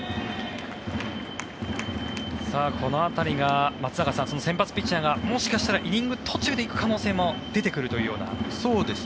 この辺りが松坂さん先発ピッチャーがもしかしたらイニング途中で行く可能性も出てくるというような。